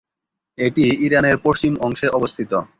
এটি ইরানের পশ্চিম অংশে অবস্থিত।